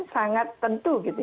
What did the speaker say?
sangat menjaga kemampuan